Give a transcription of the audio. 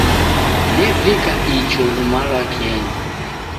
Nevika icho luma lwakenyi.